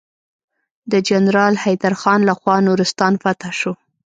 د جنرال حيدر خان لخوا نورستان فتحه شو.